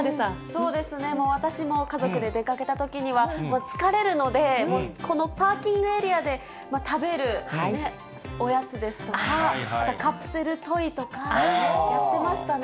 そうですね、私も家族で出かけたときには、疲れるので、このパーキングエリアで食べるおやつですとかカプセルトイとか、やってましたね。